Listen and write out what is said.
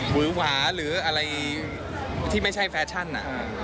หือหวาหรืออะไรที่ไม่ใช่แฟชั่น